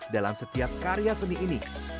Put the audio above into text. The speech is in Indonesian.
dalam setiap karya seni ini